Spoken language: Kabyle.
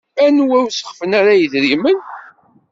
Anwa ur sexfen ara yedrimen?